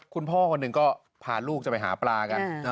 คุณพ่อคนหนึ่งก็พาลูกจะไปหาปลากัน